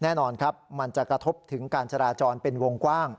แน่นอนครับมันจะกระทบถึงการจราจรเป็นวงกว้าง